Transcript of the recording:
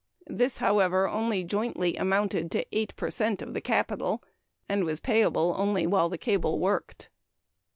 This, however, only jointly amounted to 8 per cent of the capital, and was payable only while the cable worked.